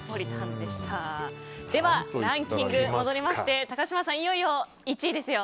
ではランキングに戻りまして高嶋さん、いよいよ１位ですよ。